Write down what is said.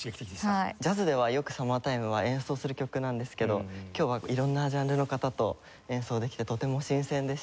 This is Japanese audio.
ジャズではよく『サマー・タイム』は演奏する曲なんですけど今日は色んなジャンルの方と演奏できてとても新鮮でした。